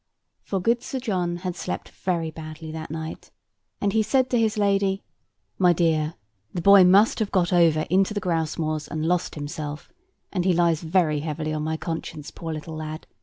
For good Sir John had slept very badly that night; and he said to his lady, "My dear, the boy must have got over into the grouse moors, and lost himself; and he lies very heavily on my conscience, poor little lad.